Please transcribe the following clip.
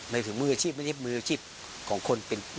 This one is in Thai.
ไม่ถึงมืออาชีพไม่ใช่มืออาชีพของคน